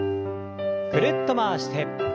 ぐるっと回して。